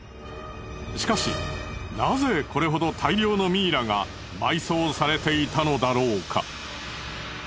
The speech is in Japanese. しかしなぜこれほど大量のミイラが埋葬されていたのだろうか？